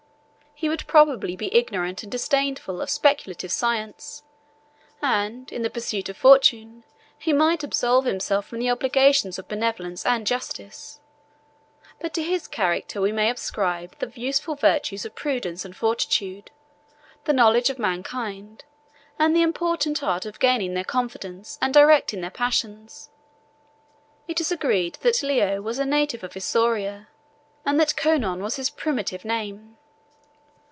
He would probably be ignorant and disdainful of speculative science; and, in the pursuit of fortune, he might absolve himself from the obligations of benevolence and justice; but to his character we may ascribe the useful virtues of prudence and fortitude, the knowledge of mankind, and the important art of gaining their confidence and directing their passions. It is agreed that Leo was a native of Isauria, and that Conon was his primitive name.